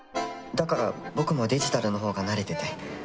だから僕もデジタルのほうが慣れてて。